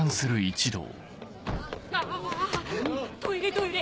あトイレトイレ！